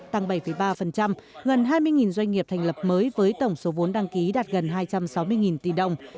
tăng bảy ba gần hai mươi doanh nghiệp thành lập mới với tổng số vốn đăng ký đạt gần hai trăm sáu mươi tỷ đồng